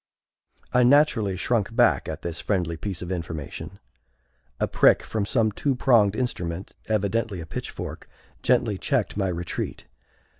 I naturally shrunk back at this friendly piece of information. A prick from some two pronged instrument, evidently a pitchfork, gently checked my retreat.